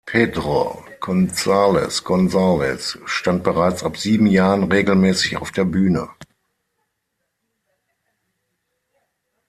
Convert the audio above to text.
Pedro Gonzalez Gonzalez stand bereits ab sieben Jahren regelmäßig auf der Bühne.